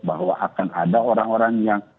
bahwa akan ada orang orang yang